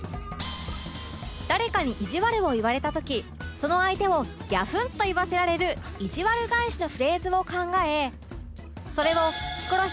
誰かにいじわるを言われた時その相手をギャフンと言わせられるいじわる返しのフレーズを考え